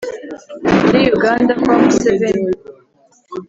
muri yuganda kwa museveni